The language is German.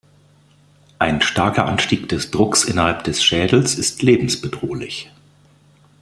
Ein starker Anstieg des Drucks innerhalb des Schädels ist lebensbedrohlich.